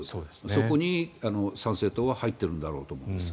そこに参政党は入っているんだろうと思うんです。